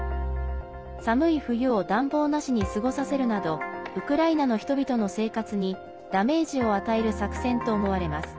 寒い冬を暖房なしに過ごさせるなどウクライナの人々の生活にダメージを与える作戦と思われます。